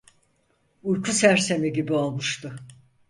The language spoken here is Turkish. Uyku sersemi gibi olmuştu.